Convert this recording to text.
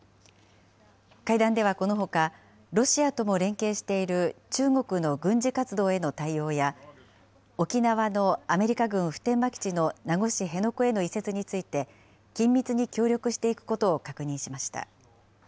会談ではこのほか、ロシアとも連携している中国の軍事活動への対応や、沖縄のアメリカ軍普天間基地の名護市辺野古への移設について、緊密に協力していくことを確認しました。